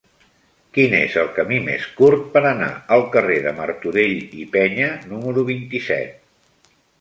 Quin és el camí més curt per anar al carrer de Martorell i Peña número vint-i-set?